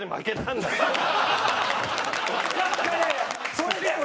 それでも。